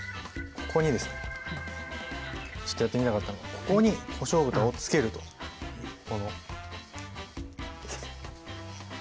ここにですねちょっとやってみたかったのがここにこしょう豚をつけるとこの。